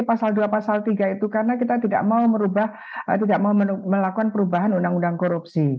pasal dua pasal tiga itu karena kita tidak mau merubah tidak mau melakukan perubahan undang undang korupsi